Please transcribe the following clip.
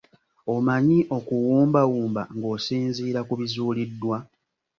Omanyi okuwumbawumba ng'osinziira ku bizuuliddwa?